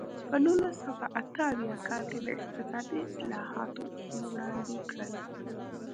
په نولس سوه اته اویا کال کې د اقتصادي اصلاحاتو اصول وړاندې کړل.